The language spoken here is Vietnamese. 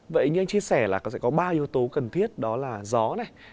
vậy như anh chia sẻ là sẽ có ba yếu tố cần thiết đó là gió này